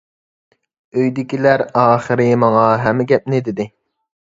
ئۆيدىكىلەر ئاخىرى ماڭا ھەممە گەپنى دېدى.